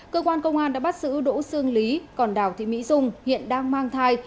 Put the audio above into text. cơ quan công an đã bắt giữ đỗ sương lý còn đào thị mỹ dung hiện đang mang thai